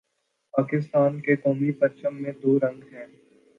پاکستان کے قومی پرچم میں دو رنگ ہیں